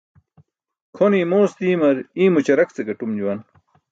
Kʰone imoos diimar iymo ćarak ce gaṭum juwan.